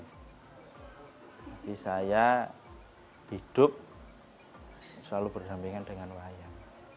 hati saya hidup selalu bersambingan dengan wayang